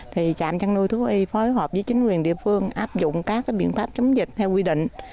thì trạm chăn nuôi thú y phối hợp với chính quyền địa phương áp dụng các biện pháp chống dịch theo quy định